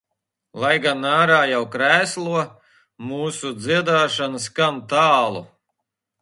Lai gan ārā jau krēslo, mūsu dziedāšana skan tālu.